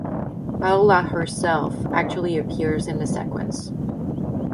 Paula herself actually appears in the sequence.